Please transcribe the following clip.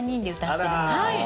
はい！